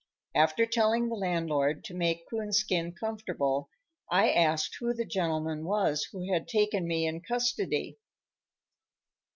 After telling the landlord to make Coonskin comfortable, I asked who the gentleman was who had taken me in custody.